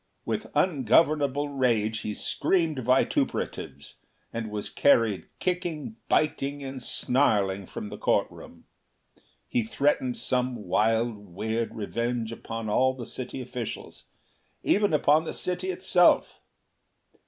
With ungovernable rage he screamed vituperatives, and was carried kicking, biting and snarling from the court room. He threatened some wild weird revenge upon all the city officials even upon the city itself."